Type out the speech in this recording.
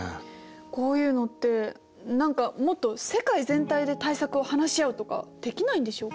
こういうのって何かもっと世界全体で対策を話し合うとかできないんでしょうか？